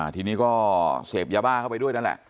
ทีนี้ก็เสพยาบ้าเข้าไปด้วยนั่นแหละ